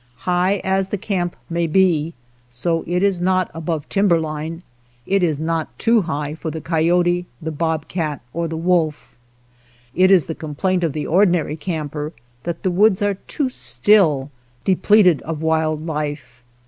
High as the camp may be, so it is not above timber line, it is not too high for the coyote, the bobcat, or the wolf. It is the complaint of the ordinary camper that the woods are too still, depleted of wild life.